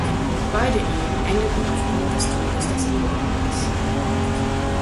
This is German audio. Beide Ehen endeten aufgrund des Todes des Ehepartners.